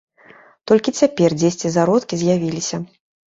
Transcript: Толькі цяпер дзесьці зародкі з'явіліся.